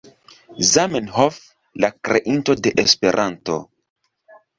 Zamenhof, la kreinto de Esperanto.